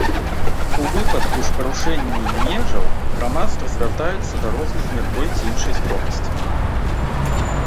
У выпадку ж парушэнні межаў грамадства звяртаецца да розных мер той ці іншай строгасці.